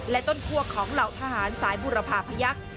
และต้นคั่วของเหล่าทหารสายบุรพาพยักษ์